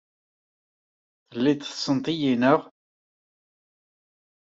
Telliḍ tessneḍ-iyi, naɣ?